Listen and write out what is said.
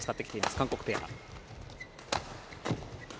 韓国ペア。